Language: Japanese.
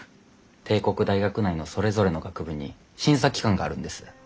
帝国大学内のそれぞれの学部に審査機関があるんです。